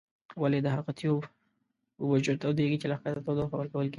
ولې هغه تیوب اوبه ژر تودیږي چې له ښکته تودوخه ورکول کیږي؟